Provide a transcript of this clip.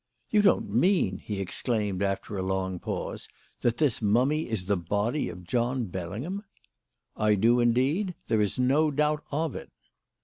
"You don't mean," he exclaimed, after a long pause, "that this mummy is the body of John Bellingham!" "I do, indeed. There is no doubt of it."